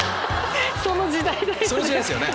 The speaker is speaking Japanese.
その時代だよね。